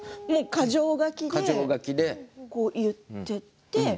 箇条書きで言っていって。